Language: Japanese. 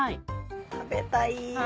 食べたい！